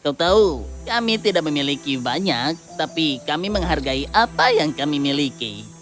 kau tahu kami tidak memiliki banyak tapi kami menghargai apa yang kami miliki